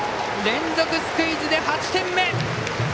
連続スクイズで８点目！